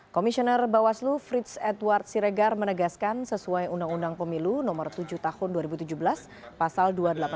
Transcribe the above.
komisioner bawaslu frits edward siregar menegaskan sesuai undang undang pemilu nomor tujuh tahun dua ribu tujuh belas pasal dua ratus delapan puluh